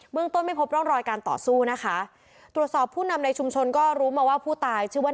ต้นไม่พบร่องรอยการต่อสู้นะคะตรวจสอบผู้นำในชุมชนก็รู้มาว่าผู้ตายชื่อว่า